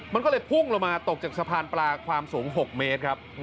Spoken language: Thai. มันก็เลยพุ่งลงมาตกจากสะพานปลาความสูง๖เมตรครับ